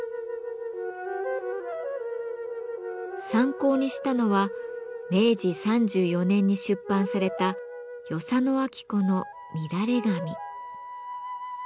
参考にしたのは明治３４年に出版された与謝野晶子の「みだれ髪」。